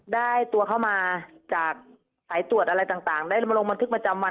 ได้ตัวเข้ามาจากสายตรวจอะไรต่างได้มาลงบันทึกประจำวัน